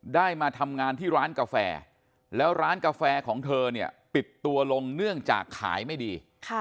ได้มาทำงานที่ร้านกาแฟแล้วร้านกาแฟของเธอเนี่ยปิดตัวลงเนื่องจากขายไม่ดี